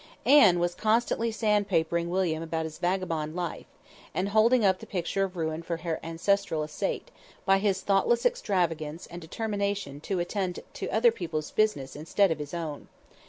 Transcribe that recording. Anne was constantly sand papering William about his vagabond life, and holding up the picture of ruin for her ancestral estate, by his thoughtless extravagance and determination to attend to other people's business instead of his own.